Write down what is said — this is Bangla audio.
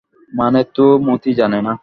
মানে তো মতি জানে না।